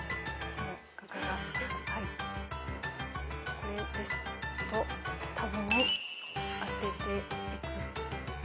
これですとたぶん当てていく。